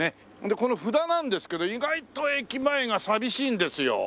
この布田なんですけど意外と駅前が寂しいんですよ。